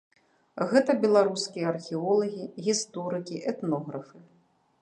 Гэта беларускія археолагі, гісторыкі, этнографы.